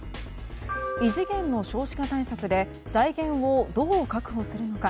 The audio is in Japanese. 異次元の少子化対策で財源をどう確保するのか